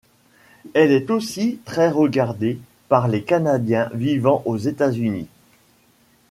Elle est aussi très regardée par les Canadiens vivant aux États-Unis.